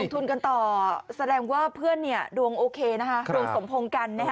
ทุนกันต่อแสดงว่าเพื่อนเนี่ยดวงโอเคนะฮะดวงสมพงศ์กันนะฮะ